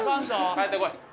帰って来い。